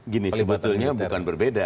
gini sebetulnya bukan berbeda